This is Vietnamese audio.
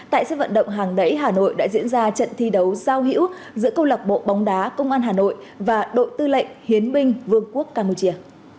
tại sân vận động hàng đẩy hà nội đã diễn ra trận thi đấu giao hữu giữa câu lạc bộ bóng đá công an hà nội và đội tư lệnh hiến binh vương quốc campuchia